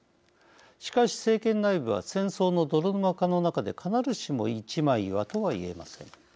しかし、政権内部は戦争の泥沼化の中で必ずしも一枚岩とは言えません。